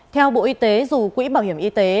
theo bộ y tế dù quỹ bảo hiểm y tế